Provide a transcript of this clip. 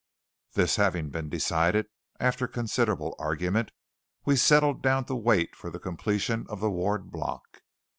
This having been decided after considerable argument we settled down to wait for the completion of the Ward Block.